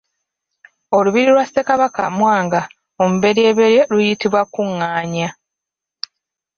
Olubiri lwa Ssekabaka Mwanga omuberyeberye luyitibwa Kuŋŋaanya.